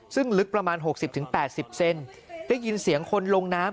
ซึ่งลึกประมาณ๖๐๘๐เซนได้ยินเสียงคนลงน้ำ